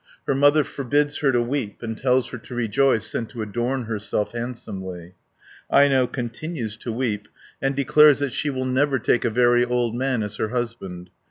Her mother forbids her to weep, and tells her to rejoice, and to adorn herself handsomely (117 188). Aino continues to weep, and declares that she will never take a very old man as her husband (189 254).